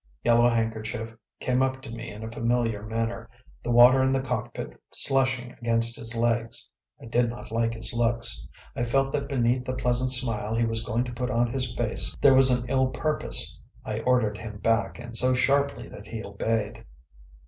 Yellow Handkerchief came up to me in a familiar manner, the water in the cockpit slushing against his legs. I did not like his looks. I felt that beneath the pleasant smile he was trying to put on his face there was an ill purpose. I ordered him back, and so sharply that he obeyed.